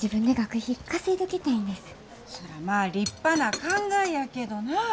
そらまあ立派な考えやけどな。